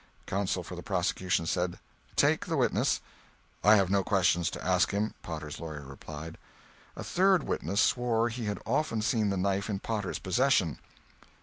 Counsel for the prosecution said: "Take the witness." "I have no questions to ask him," Potter's lawyer replied. A third witness swore he had often seen the knife in Potter's possession.